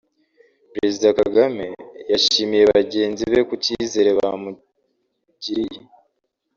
Perezida Kagame yashimiye bagenzi be ku cyizere bamugiriye